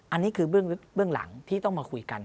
อันนี้คือเบื้องหลังที่ต้องมาคุยกัน